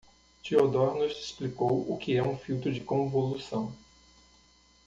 Theodore nos explicou o que é um filtro de convolução.